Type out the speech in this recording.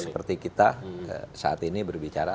seperti kita saat ini berbicara